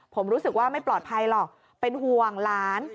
ผมรู้สึกว่าไม่ปลอดภัยหรอกเป็นห่วงหลาน